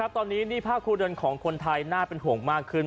ตอนนี้หนี้ภาคครูเดินของคนไทยน่าเป็นห่วงมากขึ้น